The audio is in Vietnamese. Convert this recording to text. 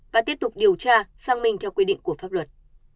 và tiếp tục điều tra sang mình theo quy định của pháp luật